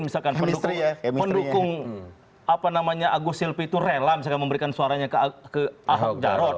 misalkan pendukung agus silpi itu rela misalkan memberikan suaranya ke ahok jarot